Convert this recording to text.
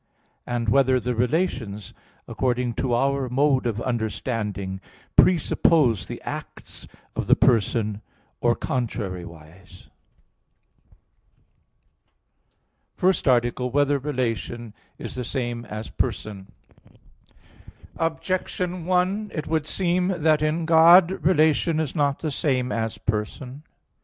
(4) Whether the relations, according to our mode of understanding, presuppose the acts of the persons, or contrariwise? _______________________ FIRST ARTICLE [I, Q. 40, Art. 1] Whether Relation Is the Same As Person? Objection 1: It would seem that in God relation is not the same as person.